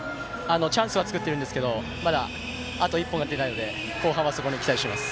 チャンスは作っているんですがまだ、あと一歩が出ないので後半はそこに期待します。